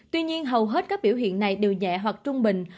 tuy nhiên hầu hết các biểu hiện này đều nhẹ hoặc trung bình